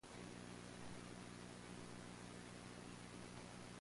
The band consists of Ned Franc and Jon Moody.